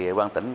ủy ban tỉnh